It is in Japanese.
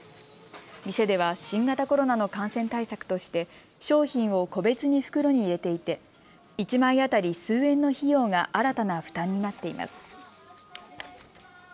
店では新型コロナの感染対策として商品を個別に袋に入れていて１枚当たり数円の費用が新たな負担になっています。